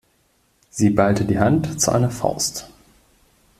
Sie ballte die Hand zu einer Faust.